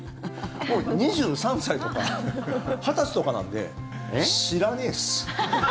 もう２３歳とか２０歳とかなんで知らねーっす。